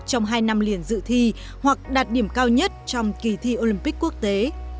trong hai năm liền dự thi hoặc đạt điểm cao nhất trong kỳ thi olympic quốc tế